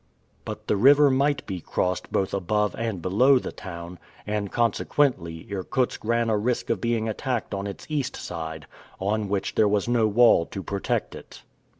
But the river might be crossed both above and below the town, and consequently, Irkutsk ran a risk of being attacked on its east side, on which there was no wall to protect it.